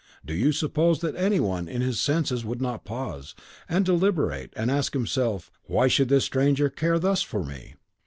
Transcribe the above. Do you suppose that any one in his senses would not pause, and deliberate, and ask himself, 'Why should this stranger care thus for me?